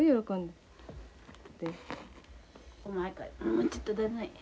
もうちっとだない。